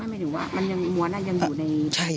ไม่รู้ว่ามันยังมวลอ่ะยังอยู่ในตู้ด้วย